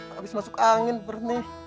habis masuk angin bernih